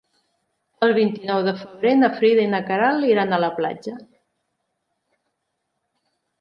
El vint-i-nou de febrer na Frida i na Queralt iran a la platja.